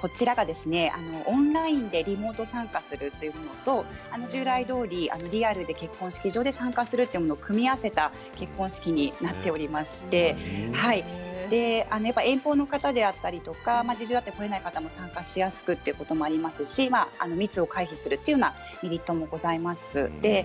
こちらがオンラインでリモート参加するというのと従来どおりリアルで結婚式場で参加するというものを組み合わせた結婚式になっておりまして遠方の方であったり事情があって来れない方も参加しやすくということもありますし密を回避するというようなメリットもございます。